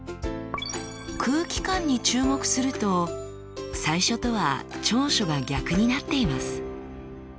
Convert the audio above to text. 空気感に注目すると最初とは長所が逆になっています。